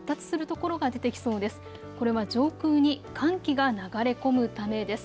これは上空に寒気が流れ込むためです。